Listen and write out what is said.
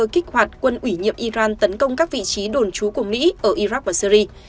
kích hoạt quân ủy nhiệm iran tấn công các vị trí đồn trú của mỹ ở iraq và syri